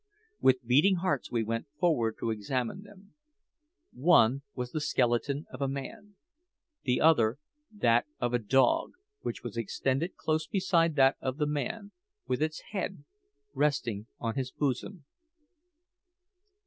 With beating hearts we went forward to examine them. One was the skeleton of a man; the other that of a dog, which was extended close beside that of the man, with its head resting on his bosom.